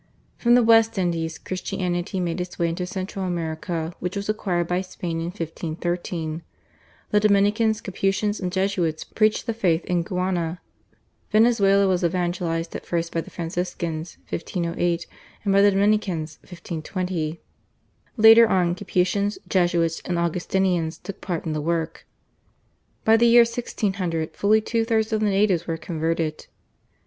From the West Indies Christianity made its way into Central America which was acquired by Spain in 1513. The Dominicans, Capuchins, and Jesuits preached the faith in Guiana. Venezuela was evangelised at first by the Franciscans (1508) and by the Dominicans (1520). Later on Capuchins, Jesuits, and Augustinians took part in the work. By the year 1600 fully two thirds of the natives were converted.